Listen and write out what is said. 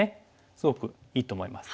すごくいいと思います。